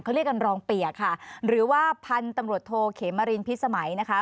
เขาเรียกกันรองเปียกค่ะหรือว่าพันธุ์ตำรวจโทเขมรินพิษสมัยนะคะ